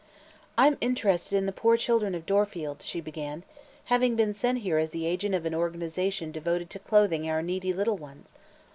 "I'm interested in the poor children of Dorfield," she began, "having been sent here as the agent of an organization devoted to clothing our needy little ones.